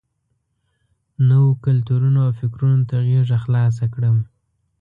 نویو کلتورونو او فکرونو ته غېږه خلاصه کړم.